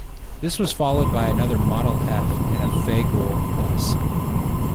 This was followed by another Model F in a Fageol bus.